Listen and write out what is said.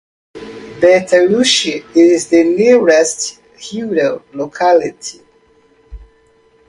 Batashyurt is the nearest rural locality.